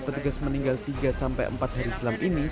petugas meninggal tiga empat hari silam ini